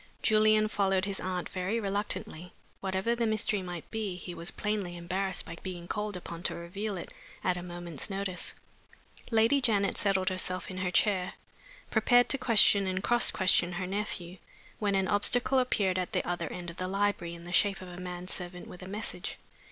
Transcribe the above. Julian followed his aunt very reluctantly. Whatever the mystery might be, he was plainly embarrassed by being called upon to reveal it at a moment's notice. Lady Janet settled herself in her chair, prepared to question and cross question her nephew, when an obstacle appeared at the other end of the library, in the shape of a man servant with a message.